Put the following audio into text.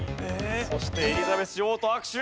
そしてエリザベス女王と握手。